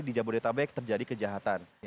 di jabodetabek terjadi kejahatan